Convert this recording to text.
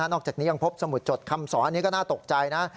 จากนี้ยังพบสมุดจดคำสอนอันนี้ก็น่าตกใจนะ